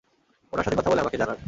উনার সাথে কথা বলে আমাকে জানান।